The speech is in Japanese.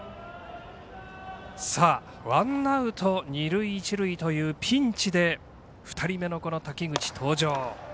ワンアウト二塁、一塁というピンチで２人目の滝口、登場。